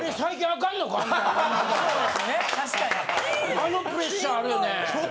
あのプレッシャーあるよね。